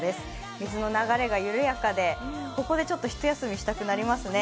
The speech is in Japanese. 水の流れが緩やかで、ここでちょっと一休みしたくなりますね。